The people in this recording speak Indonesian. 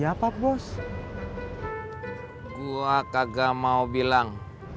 apakah gak mau bilang